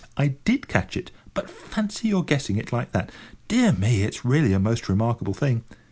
I did catch it. But fancy your guessing it like that. Dear me, it's really a most remarkable thing."